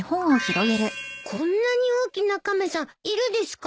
こんなに大きな亀さんいるですか？